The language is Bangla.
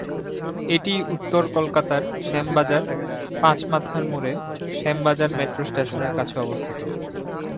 এটি উত্তর কলকাতার শ্যামবাজার পাঁচ মাথার মোড়ে শ্যামবাজার মেট্রো স্টেশনের কাছে অবস্থিত।